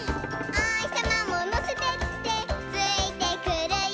「おひさまものせてってついてくるよ」